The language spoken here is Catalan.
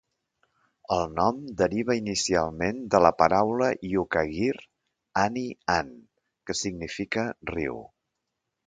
El nom deriva inicialment de la paraula iukaguir "any-an" que significa "riu".